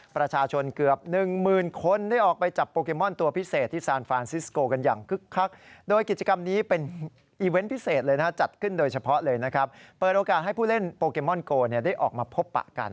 เปิดโอกาสให้ผู้เล่นโปรแกมอนโกได้ออกมาพบปะกัน